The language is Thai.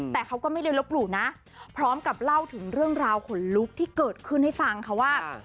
แต่เขาก็ไม่ได้ลบหลู่นะพร้อมกับเล่าถึงเรื่องราวขนลุกที่เกิดขึ้นให้ฟังค่ะว่า